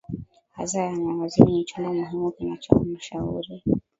aza la mawaziri ni chombo muhimu kinaachomshauri